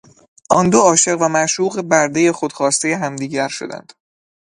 آن دو عاشق و معشوق بردهی خودخواستهی همدیگر شدند.